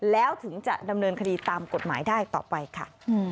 แล้วถึงจะดำเนินคดีตามกฎหมายได้ต่อไปค่ะ